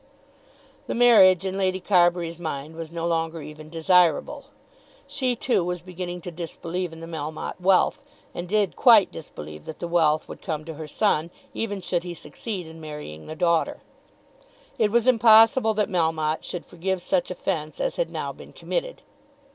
The marriage, in Lady Carbury's mind, was no longer even desirable. She, too, was beginning to disbelieve in the Melmotte wealth, and did quite disbelieve that that wealth would come to her son, even should he succeed in marrying the daughter. It was impossible that Melmotte should forgive such offence as had now been committed.